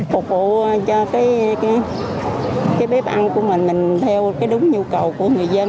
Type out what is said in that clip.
phục vụ cho cái bếp ăn của mình theo cái đúng nhu cầu của người dân